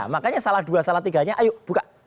makanya salah dua salah tiganya ayo buka